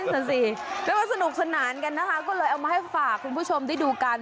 นั่นสิเรียกว่าสนุกสนานกันนะคะก็เลยเอามาให้ฝากคุณผู้ชมได้ดูกัน